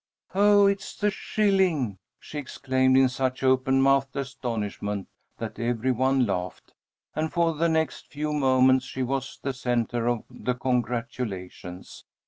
"Oh, it's the shilling!" she exclaimed, in such open mouthed astonishment that every one laughed, and for the next few moments she was the centre of the congratulations.